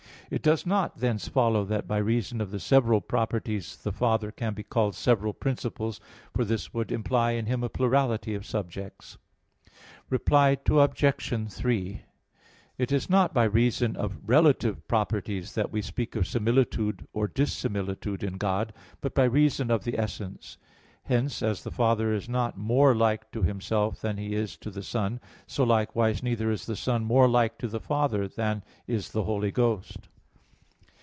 It does not thence follow that by reason of the several properties the Father can be called several principles, for this would imply in Him a plurality of subjects. Reply Obj. 3: It is not by reason of relative properties that we speak of similitude or dissimilitude in God, but by reason of the essence. Hence, as the Father is not more like to Himself than He is to the Son; so likewise neither is the Son more like to the Father than is the Holy Ghost.